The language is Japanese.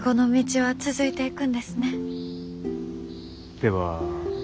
では。